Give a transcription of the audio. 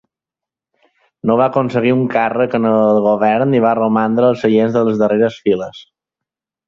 No va aconseguir un càrrec en el Govern i va romandre als seients de les darreres files.